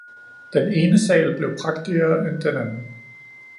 Den ene sal blev prægtigere end den anden